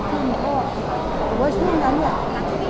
ช่วงนั้นเราก็รู้สึกว่าทุกคนเจียบเจอกับที่เกิดเกิดพอดี